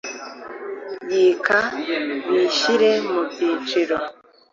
Yika bishyire mu byiciro